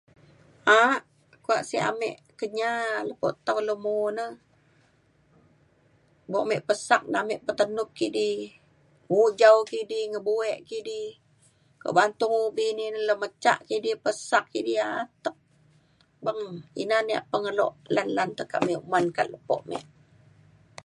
a’ak kuak sek ame Kenyah lepo tau Long Moh na mok me pesak na ame petenup kidi mujau kidi ngebuek kidi kok ba’an tung ubi ni le mecak kidi pesak kidi ia’ atek beng ina na yak pengelo lan lan tekak me ban kak lepo me